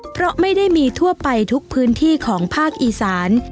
เพราะไม่ได้มีทั่วไปทุกพื้นที่ของภาคอีสาน